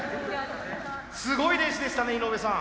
すごいレースでしたね井上さん。